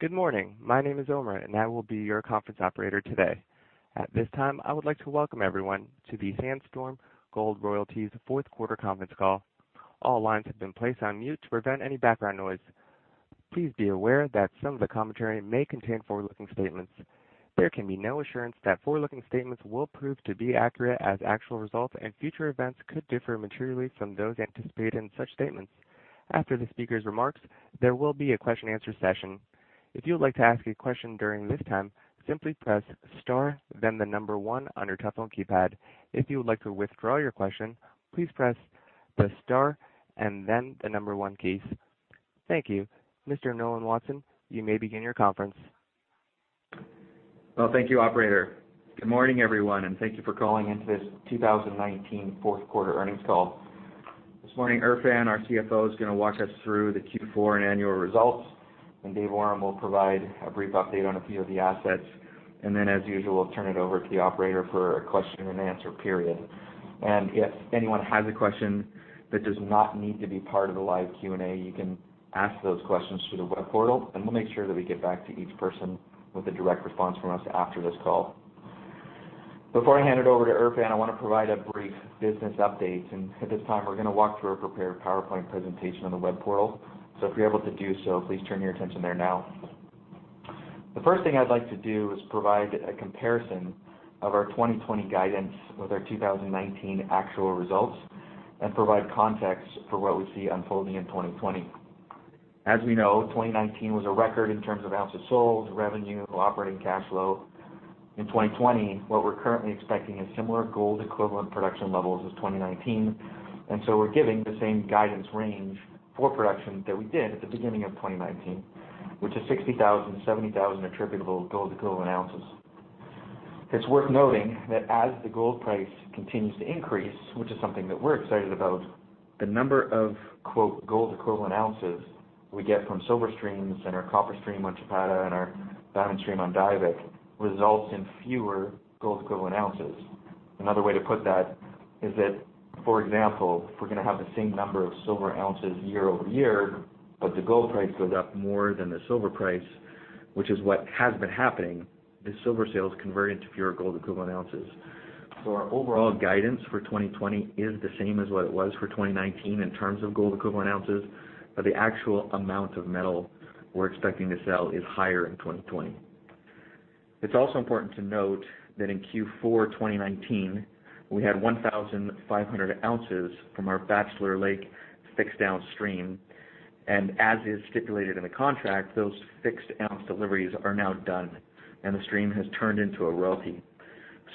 Good morning. My name is Omar, and I will be your conference operator today. At this time, I would like to welcome everyone to the Sandstorm Gold Royalties Fourth Quarter Conference Call. All lines have been placed on mute to prevent any background noise. Please be aware that some of the commentary may contain forward-looking statements. There can be no assurance that forward-looking statements will prove to be accurate as actual results, and future events could differ materially from those anticipated in such statements. After the speakers' remarks, there will be a question and answer session. If you would like to ask a question during this time, simply press star, then the number one on your telephone keypad. If you would like to withdraw your question, please press the star and then the number one keys. Thank you. Mr. Nolan Watson, you may begin your conference. Well, thank you, operator. Good morning, everyone, and thank you for calling in to this 2019 fourth quarter earnings call. This morning, Erfan, our CFO, is going to walk us through the Q4 and annual results, and David Awram will provide a brief update on a few of the assets. As usual, we'll turn it over to the operator for a question and answer period. If anyone has a question that does not need to be part of the live Q&A, you can ask those questions through the web portal, and we'll make sure that we get back to each person with a direct response from us after this call. Before I hand it over to Erfan, I want to provide a brief business update, and at this time, we're going to walk through a prepared PowerPoint presentation on the web portal. If you're able to do so, please turn your attention there now. The first thing I'd like to do is provide a comparison of our 2020 guidance with our 2019 actual results and provide context for what we see unfolding in 2020. As we know, 2019 was a record in terms of ounces sold, revenue, operating cash flow. In 2020, what we're currently expecting is similar gold equivalent production levels as 2019, we're giving the same guidance range for production that we did at the beginning of 2019, which is 60,000-70,000 attributable gold equivalent ounces. It's worth noting that as the gold price continues to increase, which is something that we're excited about, the number of gold equivalent ounces we get from silver streams and our copper stream on Chapada and our diamond stream on Diavik results in fewer gold equivalent ounces. Another way to put that is that, for example, if we're going to have the same number of silver ounces year-over-year, but the gold price goes up more than the silver price, which is what has been happening, the silver sales convert into fewer gold equivalent ounces. Our overall guidance for 2020 is the same as what it was for 2019 in terms of gold equivalent ounces, but the actual amount of metal we're expecting to sell is higher in 2020. It's also important to note that in Q4 2019, we had 1,500 ounces from our Bachelor Lake fixed ounce stream, and as is stipulated in the contract, those fixed ounce deliveries are now done, and the stream has turned into a royalty.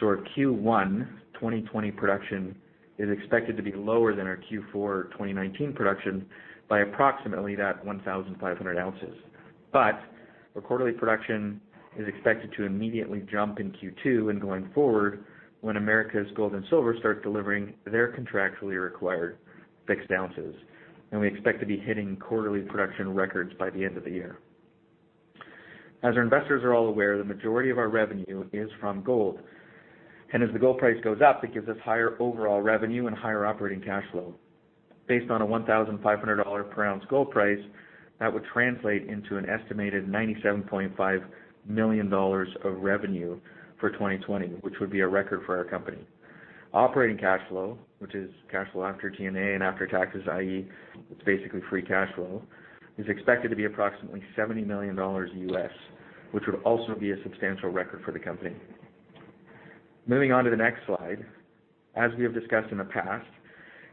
Our Q1 2020 production is expected to be lower than our Q4 2019 production by approximately that 1,500 ounces. Our quarterly production is expected to immediately jump in Q2 and going forward when Americas Gold and Silver start delivering their contractually required fixed ounces. We expect to be hitting quarterly production records by the end of the year. As our investors are all aware, the majority of our revenue is from gold. As the gold price goes up, it gives us higher overall revenue and higher operating cash flow. Based on a $1,500 per ounce gold price, that would translate into an estimated $97.5 million of revenue for 2020, which would be a record for our company. Operating cash flow, which is cash flow after G&A and after taxes, i.e., it's basically free cash flow, is expected to be approximately $70 million, which would also be a substantial record for the company. Moving on to the next slide. As we have discussed in the past,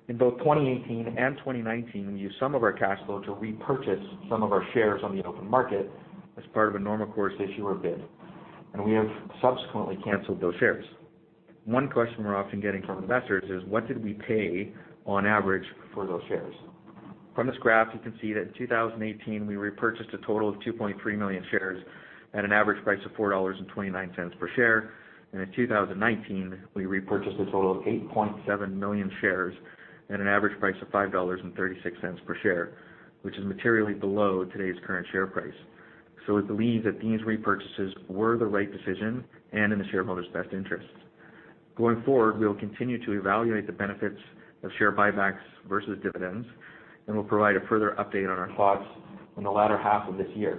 in both 2018 and 2019, we used some of our cash flow to repurchase some of our shares on the open market as part of a normal course issuer bid, and we have subsequently canceled those shares. One question we're often getting from investors is, what did we pay, on average, for those shares? From this graph, you can see that in 2018, we repurchased a total of 2.3 million shares at an average price of $4.29 per share. In 2019, we repurchased a total of 8.7 million shares at an average price of $5.36 per share, which is materially below today's current share price. We believe that these repurchases were the right decision and in the shareholders' best interests. Going forward, we will continue to evaluate the benefits of share buybacks versus dividends, and we'll provide a further update on our thoughts in the latter half of this year.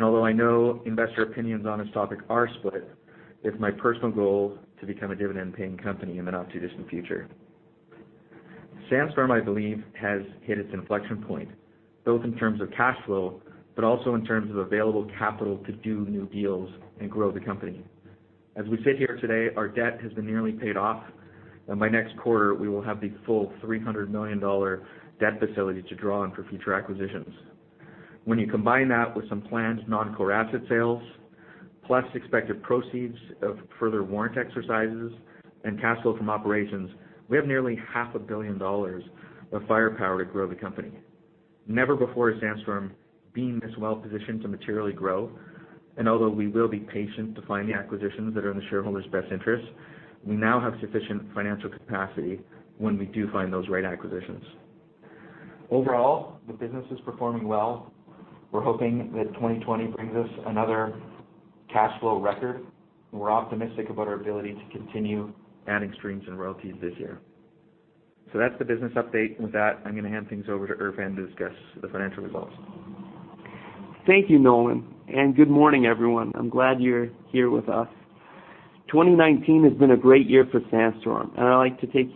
Although I know investor opinions on this topic are split, it's my personal goal to become a dividend-paying company in the not-too-distant future. Sandstorm, I believe, has hit its inflection point, both in terms of cash flow, but also in terms of available capital to do new deals and grow the company. As we sit here today, our debt has been nearly paid off, and by next quarter, we will have the full $300 million debt facility to draw on for future acquisitions. When you combine that with some planned non-core asset sales, plus expected proceeds of further warrant exercises and cash flow from operations, we have nearly half a billion dollars of firepower to grow the company. Never before has Sandstorm been this well-positioned to materially grow, and although we will be patient to find the acquisitions that are in the shareholders' best interests, we now have sufficient financial capacity when we do find those right acquisitions. Overall, the business is performing well. We're hoping that 2020 brings us another cash flow record. We're optimistic about our ability to continue adding streams and royalties this year. That's the business update. With that, I'm going to hand things over to Erfan to discuss the financial results. Thank you, Nolan. Good morning, everyone. I'm glad you're here with us. 2019 has been a great year for Sandstorm, and I'd like to take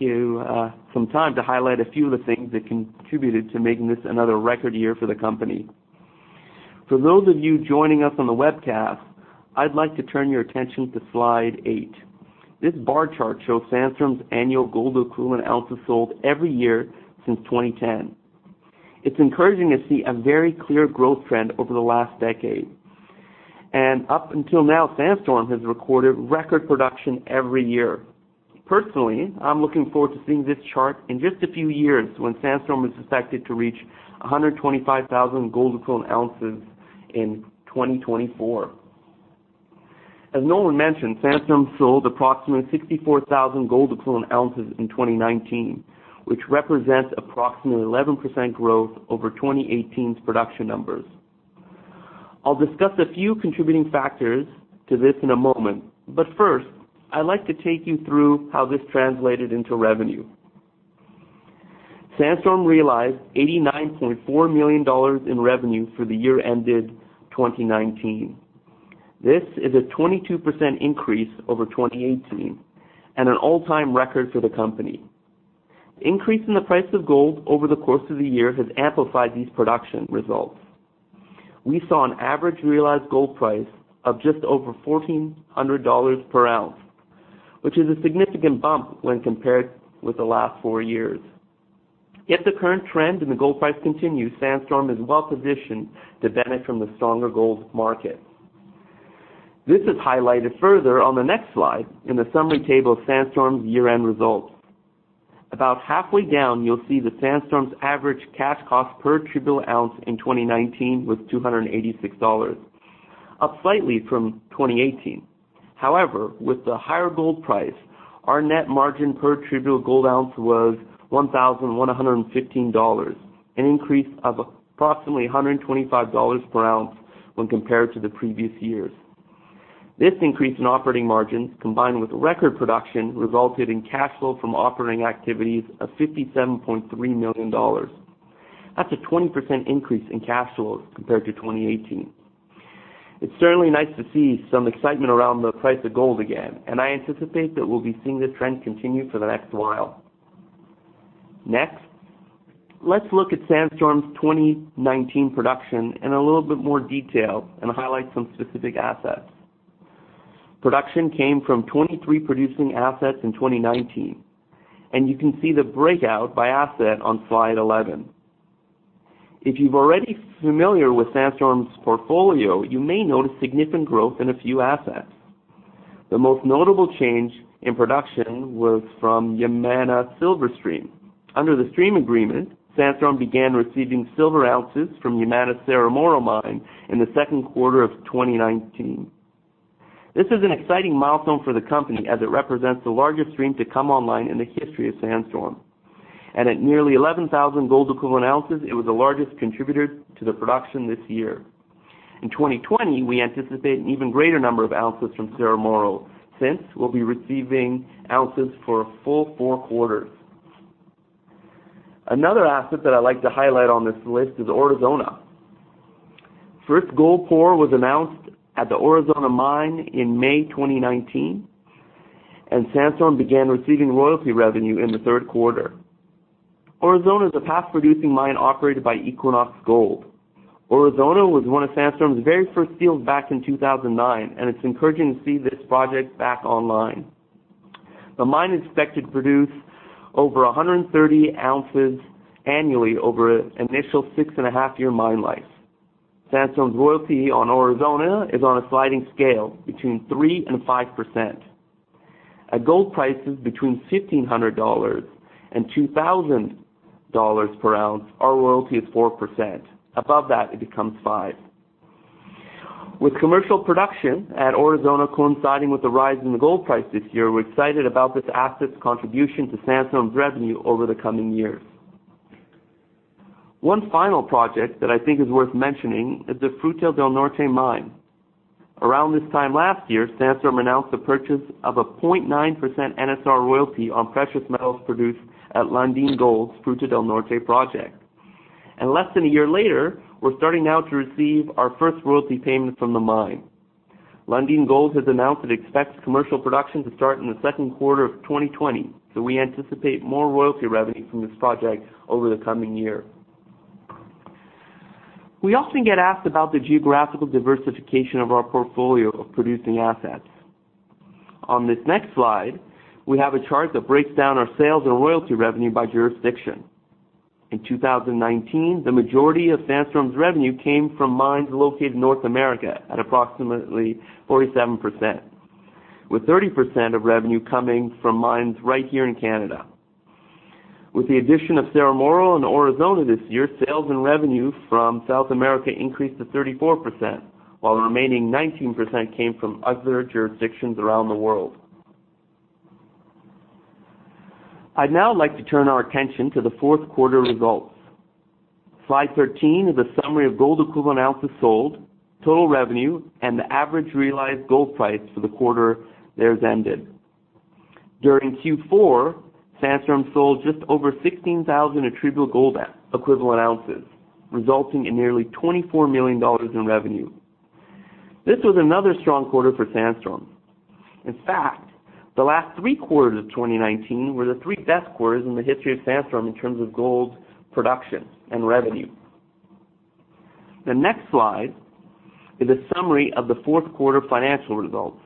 some time to highlight a few of the things that contributed to making this another record year for the company. For those of you joining us on the webcast, I'd like to turn your attention to slide eight. This bar chart shows Sandstorm's annual gold equivalent ounces sold every year since 2010. It's encouraging to see a very clear growth trend over the last decade. Up until now, Sandstorm has recorded record production every year. Personally, I'm looking forward to seeing this chart in just a few years, when Sandstorm is expected to reach 125,000 gold equivalent ounces in 2024. As Nolan mentioned, Sandstorm sold approximately 64,000 gold equivalent ounces in 2019, which represents approximately 11% growth over 2018's production numbers. I'll discuss a few contributing factors to this in a moment, but first, I'd like to take you through how this translated into revenue. Sandstorm realized $89.4 million in revenue for the year ended 2019. This is a 22% increase over 2018, and an all-time record for the company. Increase in the price of gold over the course of the year has amplified these production results. We saw an average realized gold price of just over $1,400 per ounce, which is a significant bump when compared with the last four years. If the current trend in the gold price continues, Sandstorm is well positioned to benefit from the stronger gold market. This is highlighted further on the next slide in the summary table of Sandstorm's year-end results. About halfway down, you'll see that Sandstorm's average cash cost per attributable ounce in 2019 was $286, up slightly from 2018. However, with the higher gold price, our net margin per attributable gold ounce was $1,115, an increase of approximately $125 per ounce when compared to the previous years. This increase in operating margins, combined with record production, resulted in cash flow from operating activities of $57.3 million. That's a 20% increase in cash flows compared to 2018. It's certainly nice to see some excitement around the price of gold again. I anticipate that we'll be seeing this trend continue for the next while. Let's look at Sandstorm's 2019 production in a little bit more detail and highlight some specific assets. Production came from 23 producing assets in 2019. You can see the breakout by asset on slide 11. If you've already familiar with Sandstorm's portfolio, you may notice significant growth in a few assets. The most notable change in production was from Yamana Silver Stream. Under the stream agreement, Sandstorm began receiving silver ounces from Yamana's Cerro Moro mine in the second quarter of 2019. This is an exciting milestone for the company as it represents the largest stream to come online in the history of Sandstorm. At nearly 11,000 gold equivalent ounces, it was the largest contributor to the production this year. In 2020, we anticipate an even greater number of ounces from Cerro Moro, since we'll be receiving ounces for a full four quarters. Another asset that I'd like to highlight on this list is Aurizona. First gold pour was announced at the Aurizona mine in May 2019, Sandstorm began receiving royalty revenue in the third quarter. Aurizona is a past-producing mine operated by Equinox Gold. Aurizona was one of Sandstorm's very first deals back in 2009, it's encouraging to see this project back online. The mine is expected to produce over 130 ounces annually over an initial six and a half year mine life. Sandstorm's royalty on Aurizona is on a sliding scale between 3% and 5%. At gold prices between $1,500 and $2,000 per ounce, our royalty is 4%. Above that, it becomes 5%. With commercial production at Aurizona coinciding with the rise in the gold price this year, we're excited about this asset's contribution to Sandstorm's revenue over the coming years. One final project that I think is worth mentioning is the Fruta del Norte mine. Around this time last year, Sandstorm announced the purchase of a 0.9% NSR royalty on precious metals produced at Lundin Gold's Fruta del Norte project. Less than a year later, we're starting now to receive our first royalty payment from the mine. Lundin Gold has announced it expects commercial production to start in the second quarter of 2020. We anticipate more royalty revenue from this project over the coming year. We often get asked about the geographical diversification of our portfolio of producing assets. On this next slide, we have a chart that breaks down our sales and royalty revenue by jurisdiction. In 2019, the majority of Sandstorm's revenue came from mines located in North America at approximately 47%, with 30% of revenue coming from mines right here in Canada. With the addition of Cerro Moro and Aurizona this year, sales and revenue from South America increased to 34%, while the remaining 19% came from other jurisdictions around the world. I'd now like to turn our attention to the fourth quarter results. Slide 13 is a summary of gold equivalent ounces sold, total revenue, and the average realized gold price for the quarter there as ended. During Q4, Sandstorm sold just over 16,000 attributable gold equivalent ounces, resulting in nearly $24 million in revenue. This was another strong quarter for Sandstorm. In fact, the last three quarters of 2019 were the three best quarters in the history of Sandstorm in terms of gold production and revenue. The next slide is a summary of the fourth quarter financial results.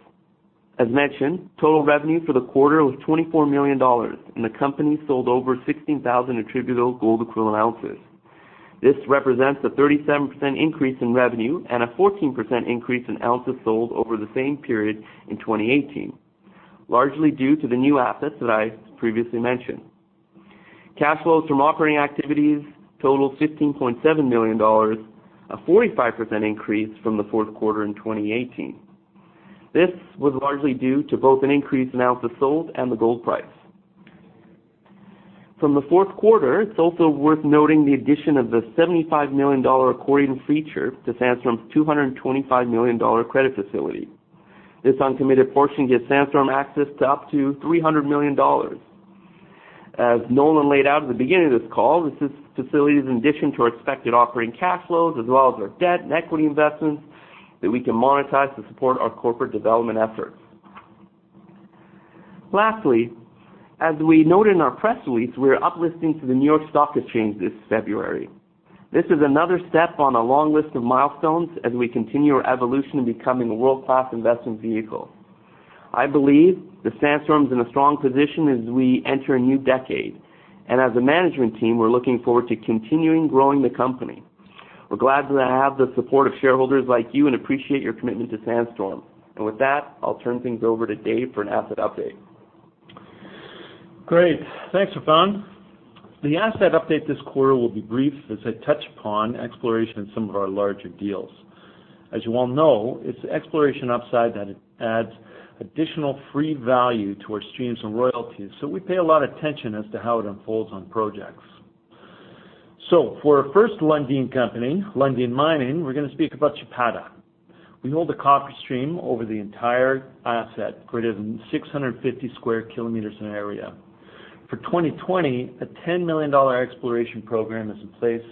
As mentioned, total revenue for the quarter was $24 million, and the company sold over 16,000 attributable gold equivalent ounces. This represents a 37% increase in revenue and a 14% increase in ounces sold over the same period in 2018, largely due to the new assets that I previously mentioned. Cash flows from operating activities totaled $15.7 million, a 45% increase from the fourth quarter in 2018. This was largely due to both an increase in ounces sold and the gold price. From the fourth quarter, it's also worth noting the addition of the $75 million accordion feature to Sandstorm's $225 million credit facility. This uncommitted portion gives Sandstorm access to up to $300 million. As Nolan laid out at the beginning of this call, this facility is in addition to our expected operating cash flows, as well as our debt and equity investments that we can monetize to support our corporate development efforts. Lastly, as we noted in our press release, we are uplisting to the New York Stock Exchange this February. This is another step on a long list of milestones as we continue our evolution in becoming a world-class investment vehicle. I believe that Sandstorm's in a strong position as we enter a new decade, and as a management team, we're looking forward to continuing growing the company. We're glad to have the support of shareholders like you and appreciate your commitment to Sandstorm. With that, I'll turn things over to Dave for an asset update. Great. Thanks, Erfan. The asset update this quarter will be brief as I touch upon exploration in some of our larger deals. As you all know, it's the exploration upside that adds additional free value to our streams and royalties. We pay a lot of attention as to how it unfolds on projects. For our first Lundin company, Lundin Mining, we're going to speak about Chapada. We hold a copper stream over the entire asset, greater than 650 sq km in area. For 2020, a $10 million exploration program is in place,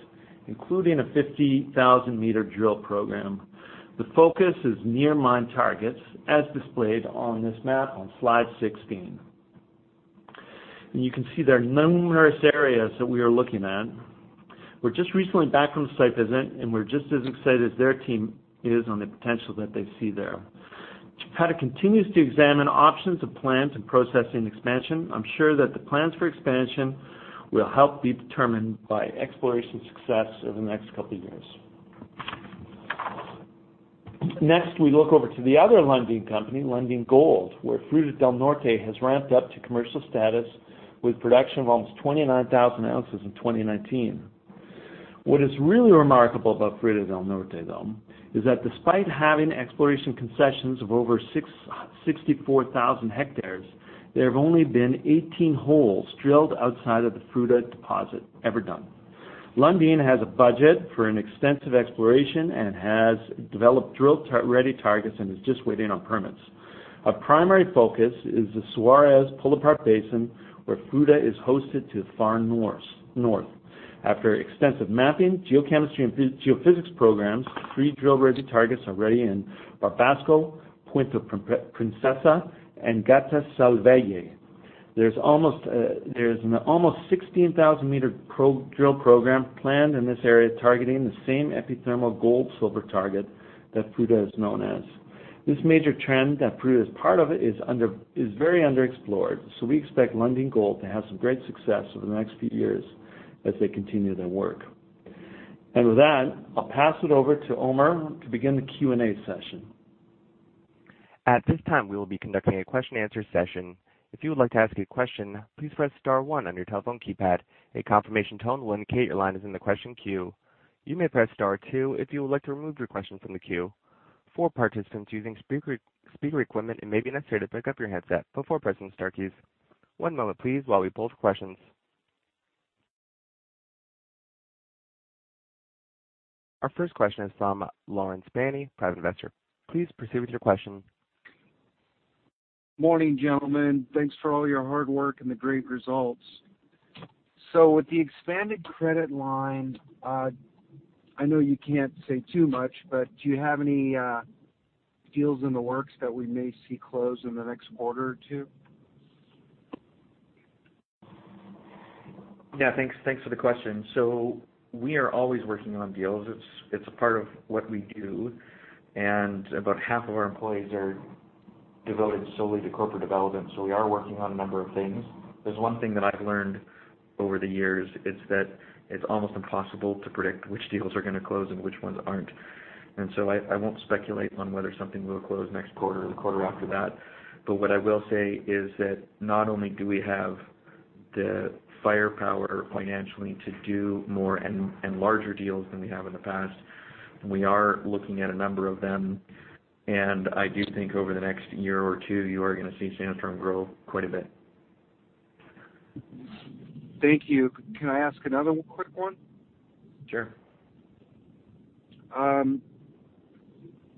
including a 50,000 m drill program. The focus is near mine targets, as displayed on this map on slide 16. You can see there are numerous areas that we are looking at. We're just recently back from a site visit, and we're just as excited as their team is on the potential that they see there. Chapada continues to examine options of plant and processing expansion. I'm sure that the plans for expansion will help be determined by exploration success over the next couple of years. Next, we look over to the other Lundin company, Lundin Gold, where Fruta del Norte has ramped up to commercial status with production of almost 29,000 ounces in 2019. What is really remarkable about Fruta del Norte, though, is that despite having exploration concessions of over 64,000 hectares, there have only been 18 holes drilled outside of the Fruta deposit ever done. Lundin has a budget for an extensive exploration and has developed drill-ready targets and is just waiting on permits. A primary focus is the Suárez pull-apart basin, where Fruta is hosted to the far north. After extensive mapping, geochemistry, and geophysics programs, three drill-ready targets are ready in Barbasco, Puente-Princesa, and Gata Salvaje. There's an almost 16,000-meter drill program planned in this area, targeting the same epithermal gold-silver target that Fruta is known as. This major trend that Fruta is part of is very underexplored, we expect Lundin Gold to have some great success over the next few years as they continue their work. With that, I'll pass it over to Omar to begin the Q&A session. At this time, we will be conducting a question and answer session. If you would like to ask a question, please press star one on your telephone keypad. A confirmation tone will indicate your line is in the question queue. You may press star two if you would like to remove your question from the queue. For participants using speaker equipment, it may be necessary to pick up your headset before pressing the star keys. One moment please while we pull for questions. Our first question is from Lauren Spaney, private investor. Please proceed with your question. Morning, gentlemen. Thanks for all your hard work and the great results. With the expanded credit line, I know you can't say too much, but do you have any deals in the works that we may see close in the next quarter or two? Yeah. Thanks for the question. We are always working on deals. It's a part of what we do, and about half of our employees are devoted solely to corporate development. We are working on a number of things. There's one thing that I've learned over the years, it's that it's almost impossible to predict which deals are going to close and which ones aren't. I won't speculate on whether something will close next quarter or the quarter after that. What I will say is that not only do we have the firepower financially to do more and larger deals than we have in the past. We are looking at a number of them, and I do think over the next year or two, you are going to see Sandstorm grow quite a bit. Thank you. Can I ask another quick one? Sure.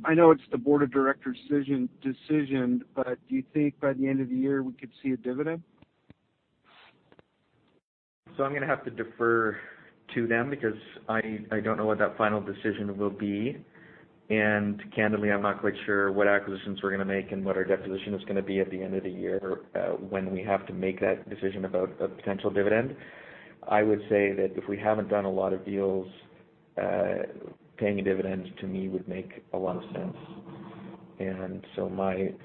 I know it's the board of directors' decision, but do you think by the end of the year we could see a dividend? I'm going to have to defer to them because I don't know what that final decision will be. Candidly, I'm not quite sure what acquisitions we're going to make and what our debt position is going to be at the end of the year when we have to make that decision about a potential dividend. I would say that if we haven't done a lot of deals, paying a dividend to me would make a lot of sense.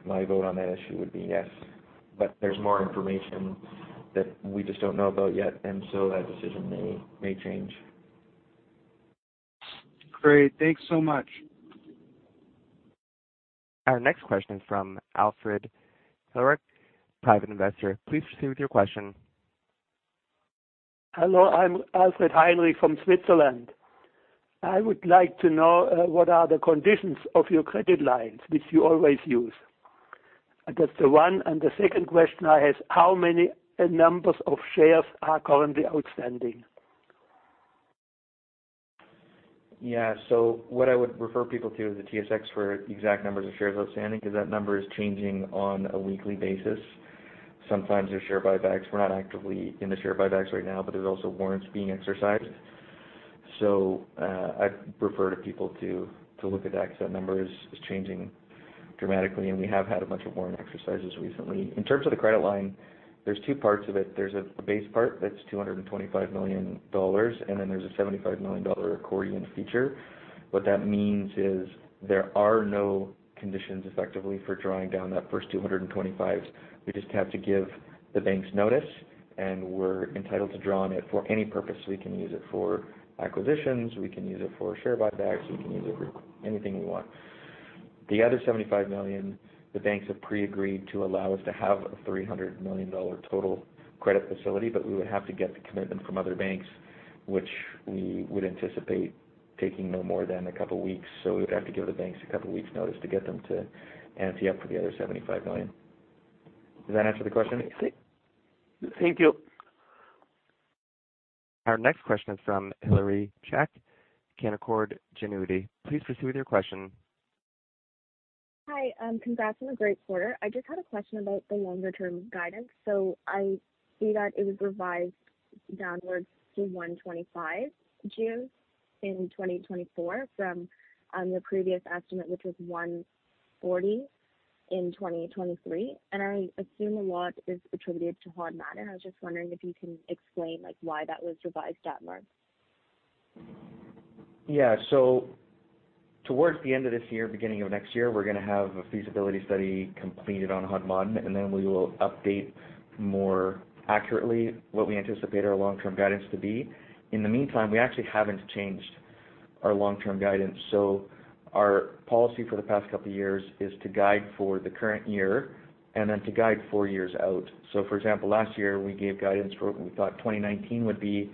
My vote on that issue would be yes, but there's more information that we just don't know about yet. That decision may change. Great. Thanks so much. Our next question is from Alfred Heinrich, Private Investor. Please proceed with your question. Hello, I'm Alfred Heinrich from Switzerland. I would like to know what are the conditions of your credit lines, which you always use? That's the one. The second question I have, how many numbers of shares are currently outstanding? What I would refer people to is the TSX for exact numbers of shares outstanding, because that number is changing on a weekly basis. Sometimes there's share buybacks. We're not actively in the share buybacks right now, there's also warrants being exercised. I'd refer to people to look at that because that number is changing dramatically, we have had a bunch of warrant exercises recently. In terms of the credit line, there's two parts of it. There's a base part that's $225 million, then there's a $75 million accordion feature. What that means is there are no conditions effectively for drawing down that first 225. We just have to give the banks notice, we're entitled to draw on it for any purpose. We can use it for acquisitions, we can use it for share buybacks. We can use it for anything we want. The other $75 million, the banks have pre-agreed to allow us to have a $300 million total credit facility. We would have to get the commitment from other banks, which we would anticipate taking no more than a couple of weeks. We would have to give the banks a couple of weeks' notice to get them to ante up for the other $75 million. Does that answer the question? Thank you. Our next question is from Hilary Csech, Canaccord Genuity. Please proceed with your question. Hi. Congrats on a great quarter. I just had a question about the longer-term guidance. I see that it was revised downwards to 125,000 in 2024 from your previous estimate, which was 140 in 2023. I assume a lot is attributed to Hot Maden. I was just wondering if you can explain why that was revised downward. Towards the end of this year, beginning of next year, we're going to have a feasibility study completed on Hot Maden, and then we will update more accurately what we anticipate our long-term guidance to be. In the meantime, we actually haven't changed our long-term guidance. Our policy for the past couple of years is to guide for the current year and then to guide four years out. For example, last year, we gave guidance for what we thought 2019 would be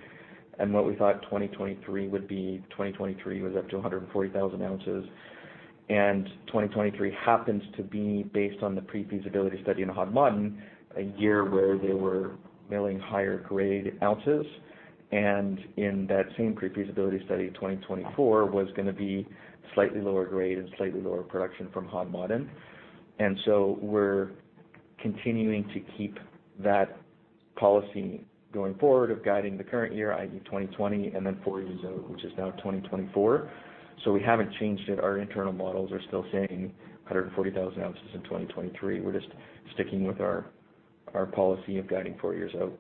and what we thought 2023 would be. 2023 was up to 140,000 ounces. 2023 happens to be based on the pre-feasibility study in Hot Maden, a year where they were milling higher-grade ounces. In that same pre-feasibility study, 2024 was going to be slightly lower grade and slightly lower production from Hot Maden. We're continuing to keep that policy going forward of guiding the current year, i.e., 2020, and then four years out, which is now 2024. We haven't changed it. Our internal models are still saying 140,000 ounces in 2023. We're just sticking with our policy of guiding four years out.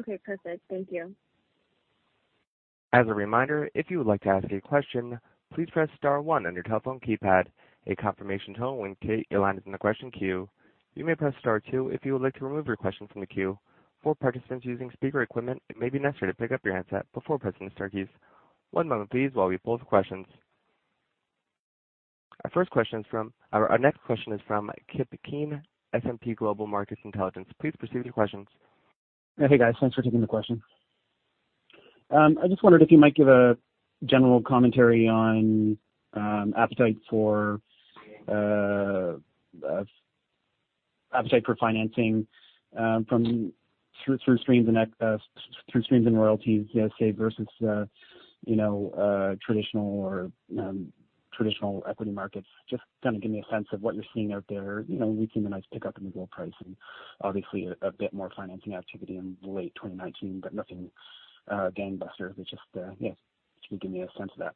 Okay, perfect. Thank you. As a reminder, if you would like to ask a question, please press star one on your telephone keypad. A confirmation tone will indicate your line is in the question queue. You may press star two if you would like to remove your question from the queue. For participants using speaker equipment, it may be necessary to pick up your handset before pressing the star keys. One moment please while we pull up the questions. Our next question is from Kean, S&P Global Market Intelligence. Please proceed with your questions. Hey, guys, thanks for taking the question. I just wondered if you might give a general commentary on appetite for financing through streams and royalties say versus traditional equity markets. Just kind of give me a sense of what you're seeing out there. We've seen a nice pick up in the gold price and obviously a bit more financing activity in late 2019, but nothing gangbuster. Just, yeah, if you can give me a sense of that.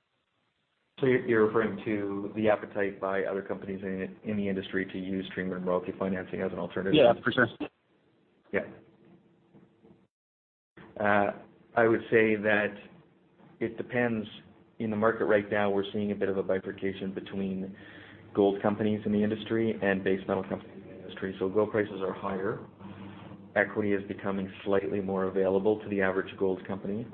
You're referring to the appetite by other companies in the industry to use stream and royalty financing as an alternative? Yeah, for sure. Yeah. I would say that it depends. In the market right now, we're seeing a bit of a bifurcation between gold companies in the industry and base metal companies in the industry. Gold prices are higher. Equity is becoming slightly more available to the average gold company,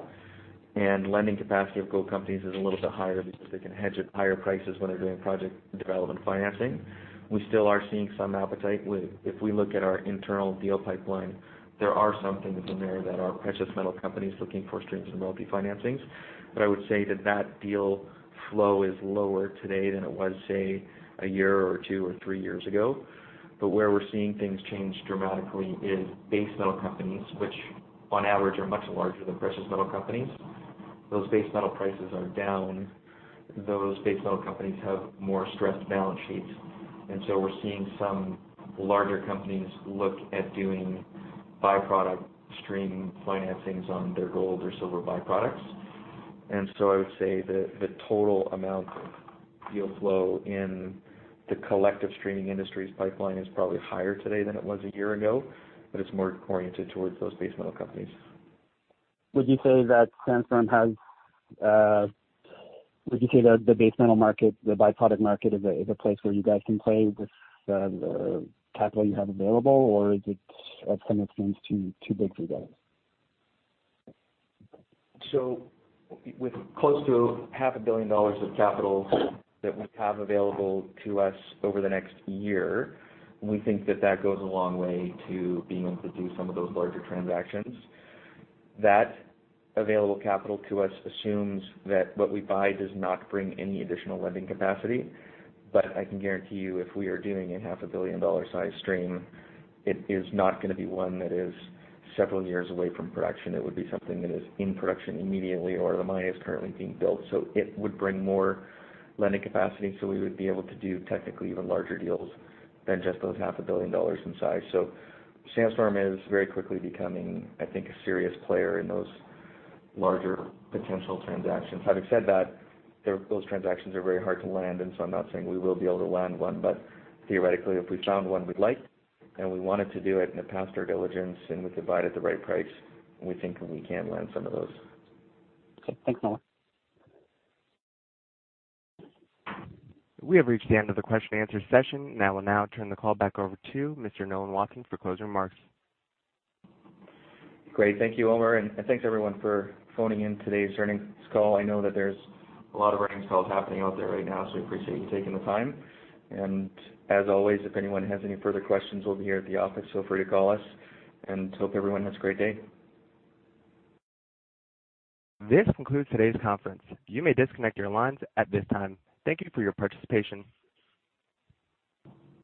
and lending capacity of gold companies is a little bit higher because they can hedge at higher prices when they're doing project development financing. We still are seeing some appetite. If we look at our internal deal pipeline, there are some things in there that are precious metal companies looking for streams and royalty financings. I would say that deal flow is lower today than it was, say, one or two or three years ago. Where we're seeing things change dramatically is base metal companies, which on average are much larger than precious metal companies. Those base metal prices are down. Those base metal companies have more stressed balance sheets, and so we're seeing some larger companies look at doing by-product stream financings on their gold or silver by-products. I would say that the total amount of deal flow in the collective streaming industry's pipeline is probably higher today than it was a year ago, but it's more oriented towards those base metal companies. Would you say that the base metal market, the by-product market is a place where you guys can play with the capital you have available, or is it, at some instance, too big for you guys? With close to half a billion dollars of capital that we have available to us over the next year, we think that that goes a long way to being able to do some of those larger transactions. That available capital to us assumes that what we buy does not bring any additional lending capacity. I can guarantee you, if we are doing a half a billion dollar size stream, it is not going to be one that is several years away from production. It would be something that is in production immediately or the mine is currently being built, so it would bring more lending capacity. We would be able to do technically even larger deals than just those half a billion dollars in size. Sandstorm is very quickly becoming, I think, a serious player in those larger potential transactions. Having said that, those transactions are very hard to land, and so I'm not saying we will be able to land one, but theoretically, if we found one we'd like and we wanted to do it and it passed our diligence and we could buy it at the right price, we think we can land some of those. Okay. Thanks Nolan. We have reached the end of the question and answer session. I will now turn the call back over to Mr. Nolan Watson for closing remarks. Great. Thank you, Omar, Thanks everyone for phoning in today's earnings call. I know that there's a lot of earnings calls happening out there right now, so we appreciate you taking the time. As always, if anyone has any further questions, we'll be here at the office. Feel free to call us, and hope everyone has a great day. This concludes today's conference. You may disconnect your lines at this time. Thank you for your participation.